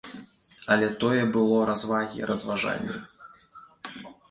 Але тое было развагі, разважанні.